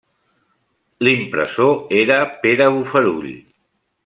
L'impressor era Pere Bofarull.